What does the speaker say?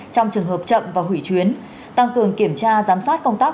trong trường hợp chậm và hủy chuyến tăng cường kiểm tra giám sát công tác